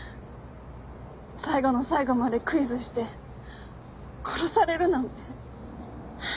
最後の最後までクイズして殺されるなんて。